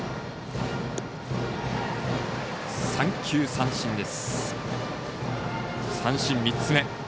三球三振です。